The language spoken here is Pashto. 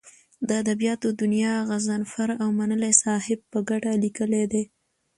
د ادبیاتو دونیا غضنفر اومنلی صاحب په کډه لیکلې ده.